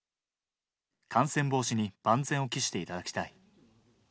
感染防止に万全を期していただきたい。